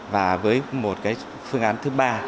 và với một phương án thứ ba